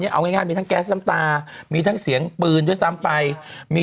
เอาง่ายมีทั้งแก๊สน้ำตามีทั้งเสียงปืนด้วยซ้ำไปมี